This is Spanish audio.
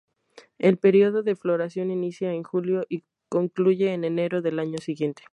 El periodo de floración inicia en julio y concluye en enero del año siguiente.